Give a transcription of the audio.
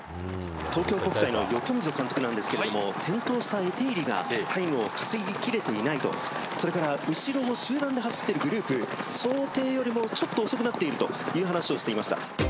東京国際の横溝監督なんですけれども、転倒したエティーリが、タイムを稼ぎきれていないと、それから後ろの集団で走っているグループ、想定よりもちょっと遅くなっているという話をしていました。